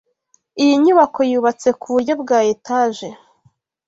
Iyi nyubako yubatse ku buryo bwa Etage